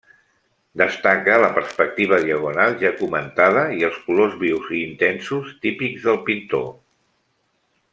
Destaca la perspectiva diagonal, ja comentada, i els colors vius i intensos típics del pintor.